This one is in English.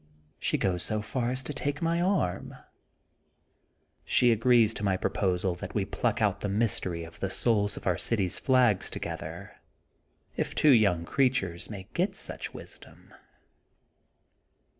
She goes so far as to take my arm. She agrees to my proposal that we pluck out the mystery of the souls of our city^s flags together, if two young creatures may get such wisdom.